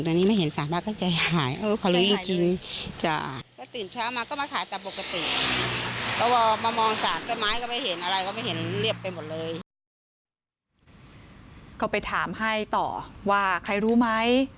ก็ไปถามให้ต่อว่าใครรู้ไหม